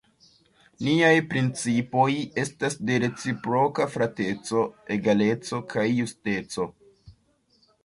Niaj principoj estas de reciproka frateco, egaleco kaj justeco.